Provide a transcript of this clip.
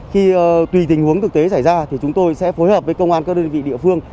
khi tùy tình huống thực tế xảy ra thì chúng tôi sẽ phối hợp với công an các đơn vị địa phương